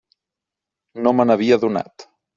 No me n'havia adonat.